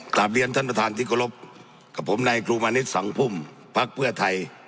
ตามเรียนท่านประธานทิกลบกับผมในกรุมาณิชย์สังภูมิภักดิ์เพื่อไทย